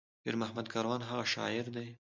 پير محمد کاروان هغه شاعر دى